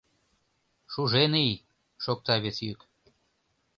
— Шужен ий, — шокта вес йӱк.